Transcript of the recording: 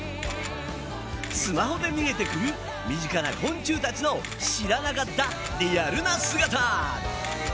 スマホで見えてくる身近な昆虫たちの知らなかったリアルな姿！